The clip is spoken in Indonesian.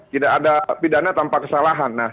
tidak ada pidana tanpa kesalahan